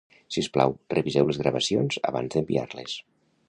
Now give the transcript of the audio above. Sisplau, reviseu les gravacions abans d'enviar-les